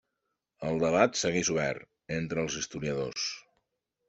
El debat segueix obert entre els historiadors.